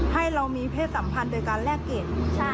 ให้เรามีเพศสัมพันธ์โดยการแลกเกรด